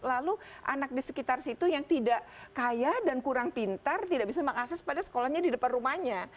lalu anak di sekitar situ yang tidak kaya dan kurang pintar tidak bisa mengakses pada sekolahnya di depan rumahnya